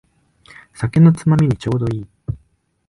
酒のつまみにちょうどいい